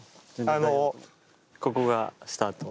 ここがスタート。